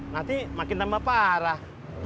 nanti makin tambah parah